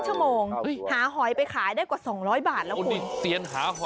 ดิเตียนหาหอยเลยเนี่ย